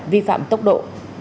vi phạm tốc độ